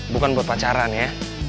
bukan buat pacaran ya